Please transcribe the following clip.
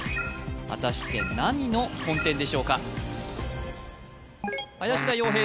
果たして何の本店でしょうか林田洋平